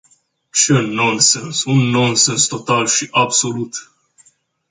Ce nonsens, un nonsens total și absolut!